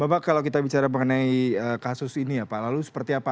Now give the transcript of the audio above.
bapak kalau kita bicara mengenai kasus ini ya pak lalu seperti apa